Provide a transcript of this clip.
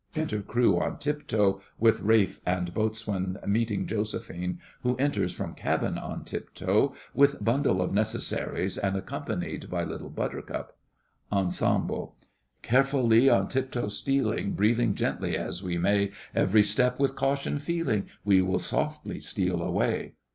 Enter Crew on tiptoe, with RALPH and BOATSWAIN meeting JOSEPHINE, who enters from cabin on tiptoe, with bundle of necessaries, and accompanied by LITTLE BUTTERCUP. ENSEMBLE Carefully on tiptoe stealing, Breathing gently as we may, Every step with caution feeling, We will softly steal away.